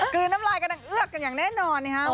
คือน้ำลายกำลังเอือกกันอย่างแน่นอน